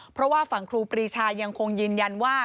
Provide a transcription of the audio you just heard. เพราะว่าฝั่งครูปรีชายังคงยืนยันว่า